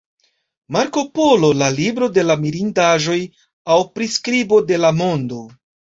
Marko Polo: La libro de la mirindaĵoj aŭ priskribo de la mondo.